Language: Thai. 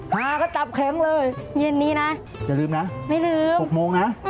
หาก็ตับแข็งเลยเย็นนี้นะไม่ลืมอย่าลืมนะ๖โมงนะ